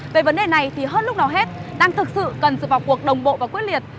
về vấn đề này thì hơn lúc nào hết đang thực sự cần sự vào cuộc đồng bộ và quyết liệt